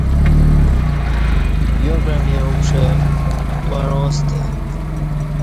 یوپعمی اُکݜے وعاں ستہ